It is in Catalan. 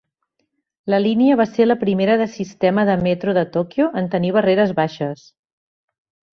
La línia va ser la primera de sistema de metro de Tòquio en tenir barreres baixes.